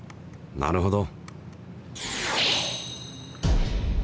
なるほど。